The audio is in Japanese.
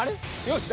よし！